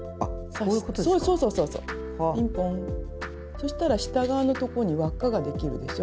そしたら下側のとこに輪っかができるでしょ。